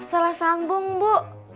salah sambung bu